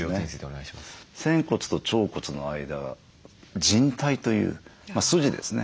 仙骨と腸骨の間靭帯という筋ですね